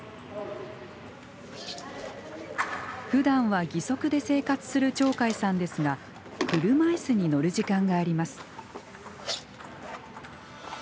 ふだんは義足で生活する鳥海さんですが車いすに乗る時間があります。